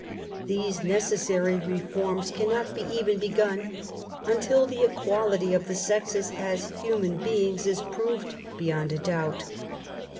These necessary reforms cannot be even begun until the equality of the sexes as human beings is proved beyond a doubt.